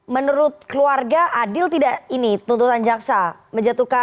menurut keluarga adil tidak ini tuntutan jaksa